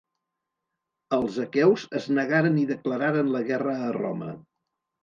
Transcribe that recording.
Els aqueus es negaren i declararen la guerra a Roma.